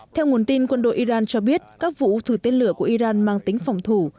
theo nguồn tin quân đội iran cho biết các vụ thử tên lửa của iran mang tính phòng thủ